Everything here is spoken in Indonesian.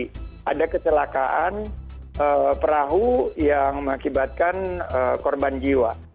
yang daftarkan perahu yang mengakibatkan korban jiwa